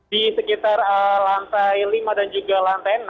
di sekitar lantai lima dan juga lantai enam